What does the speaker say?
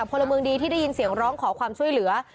พลเมืองดีที่ได้ยินเสียงร้องขอความช่วยเหลือ